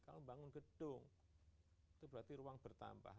kalau membangun gedung itu berarti ruang bertambah